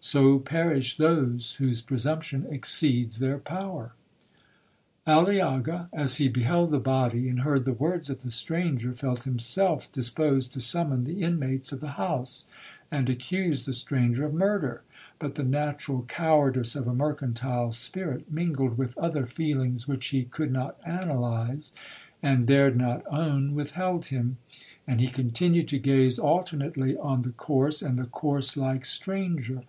So perish those whose presumption exceeds their power!' 'Aliaga, as he beheld the body, and heard the words of the stranger, felt himself disposed to summon the inmates of the house, and accuse the stranger of murder; but the natural cowardice of a mercantile spirit, mingled with other feelings which he could not analyse, and dared not own, withheld him,—and he continued to gaze alternately on the corse and the corse like stranger.